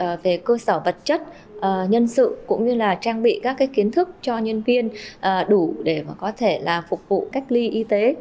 đến nay là cũng đã hai tháng chuẩn bị về cơ sở vật chất nhân sự cũng như là trang bị các kiến thức cho nhân viên đủ để có thể phục vụ cách ly y tế